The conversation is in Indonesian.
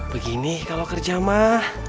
begini kalau kerja mah